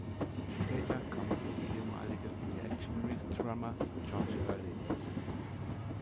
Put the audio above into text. Später kam auch der ehemalige Reactionaries-Drummer George Hurley dazu.